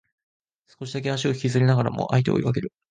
少しだけ足を引きずりながらも相手を追いかける